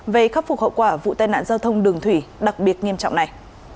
về khắc phục hậu quả vụ tai nạn giao thông đường thủy đặc biệt nghiêm trọng này